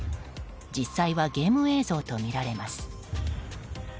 実際はゲーム映像とみられます。